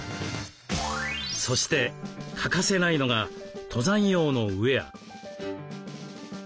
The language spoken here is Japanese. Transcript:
そして欠かせないのが登山用のウエア。